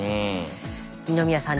二宮さん